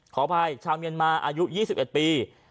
ขออภัยชาวเมียนมาอายุ๒๑ปี